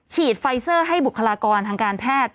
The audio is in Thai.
ไฟเซอร์ให้บุคลากรทางการแพทย์